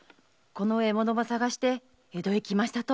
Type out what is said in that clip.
この獲物ば捜して江戸へ来ましたと。